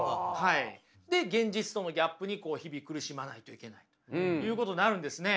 で現実とのギャップに日々苦しまないといけないということになるんですね。